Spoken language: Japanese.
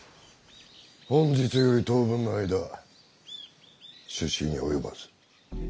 本日より当分の間出仕に及ばず。